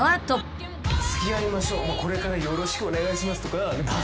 これからよろしくお願いしますとか。